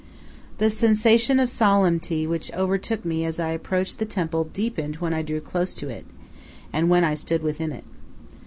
The sensation of solemnity which overtook me as I approached the temple deepened when I drew close to it, when I stood within it.